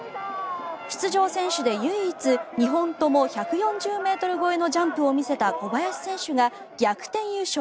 出場選手で唯一２本とも１４０ｍ超えのジャンプを見せた小林選手が逆転優勝。